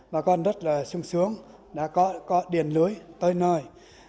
bà con rất là sung sướng đã có điện lưới tới nơi